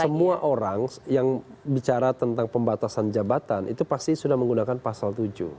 semua orang yang bicara tentang pembatasan jabatan itu pasti sudah menggunakan pasal tujuh